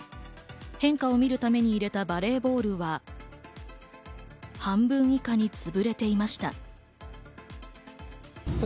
変化を見るために入れたバレーボールは半分以下につぶれていました。